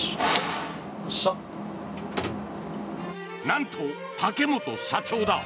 なんと、竹本社長だ！